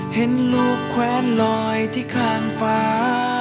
เห็นลูกแควนลอยที่ข้างฟ้า